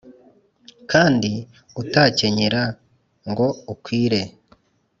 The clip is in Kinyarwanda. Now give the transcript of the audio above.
Kandi utakenyera ngo ukwire